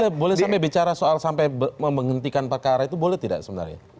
anda boleh sampai bicara soal sampai menghentikan perkara itu boleh tidak sebenarnya